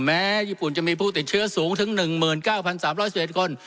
แม้ญี่ปุ่นจะมีผู้ติดเชื้อสูงถึงหนึ่งหมื่นเก้าพันสามร้อยสิบเอ็ดคน